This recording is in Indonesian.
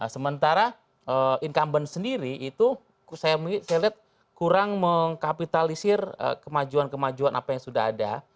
sementara incumbent sendiri itu saya lihat kurang mengkapitalisir kemajuan kemajuan apa yang sudah ada